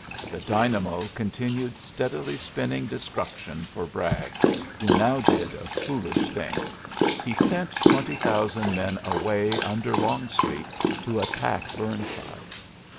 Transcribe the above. The dynamo continued steadily spinning destruction for Bragg, who now did a foolish thing. He sent twenty thousand men away under Long street to attack Burnside.